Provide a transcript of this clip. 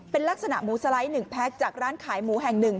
เป็นลักษณะหมูสไลด์๑แพ็คจากร้านขายหมูแห่งหนึ่ง